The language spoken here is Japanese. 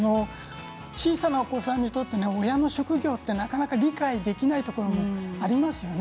小さなお子さんにとって親の職業ってなかなか理解できないところもありますよね。